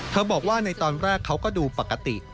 บอกว่าในตอนแรกเขาก็ดูปกติ